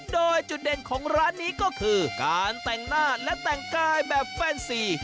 โดยจุดเด่นของร้านนี้ก็คือการแต่งหน้าและแต่งกายแบบแฟนซี